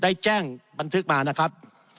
ได้แจ้งบันทึกมานะครับ